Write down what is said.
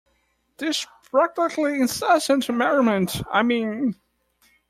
This practically incessant merriment, I mean.